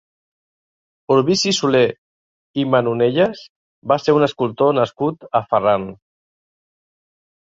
Urbici Soler i Manonelles va ser un escultor nascut a Ferran.